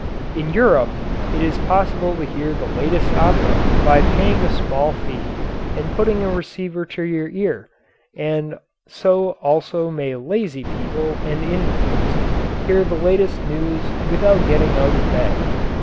] In Europe it is possible to hear the latest opera by paying a small fee and putting a receiver to your ear, and so also may lazy people and invalids hear the latest news without getting out of bed.